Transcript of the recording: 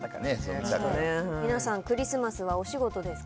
皆さん、クリスマスはお仕事ですか？